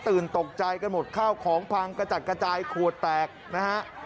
ตกใจกันหมดข้าวของพังกระจัดกระจายขวดแตกนะฮะ